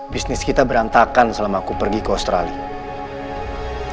bisnis kita berantakan selama aku pergi ke australia